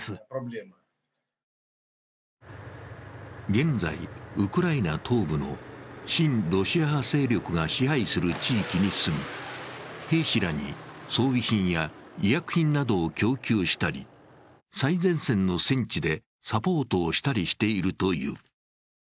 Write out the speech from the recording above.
現在、ウクライナ東部の親ロシア派勢力が支配する地域に住み、兵士らに装備品や医薬品などを供給したり、最前線の戦地でサポートをしたりしているという。